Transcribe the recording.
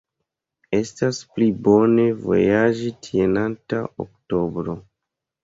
Estas pli bone vojaĝi tien antaŭ oktobro.